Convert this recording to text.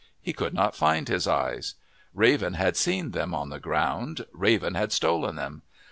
He could not find his eyes. Raven had seen them on the ground. Raven had stolen them.